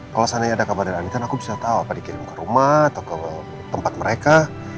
kalau seandainya ada kabar dari andin aku bisa tau apa dikirim ke rumah atau ke tempat mereka